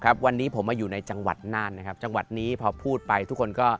ครับวันนี้ผมมาอยู่ในจังหวัดน่านนะครับจังหวัดนี้พอพูดไปทุกคนก็